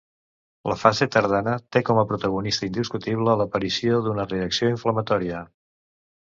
La fase tardana té com a protagonista indiscutible l'aparició d'una reacció inflamatòria.